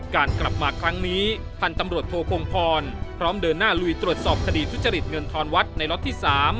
การกลับมาครั้งนี้พันธมดโทโภงพรพร้อมเดินหน้าลุยตรวจสอบคดีทุจจริตเงินทรวัดในรถที่๓